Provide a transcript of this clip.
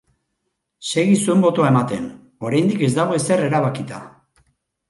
Segi zuen botoa ematen, oraindik ez dago ezer erabakita!